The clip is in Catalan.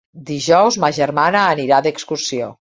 Dijous ma germana anirà d'excursió.